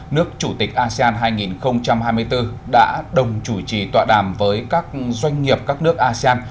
nước chủ tịch asean hai nghìn hai mươi bốn đã đồng chủ trì tọa đàm với các doanh nghiệp các nước asean